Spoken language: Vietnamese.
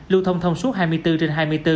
lưu thông thông suốt hai mươi bốn trên hai mươi bốn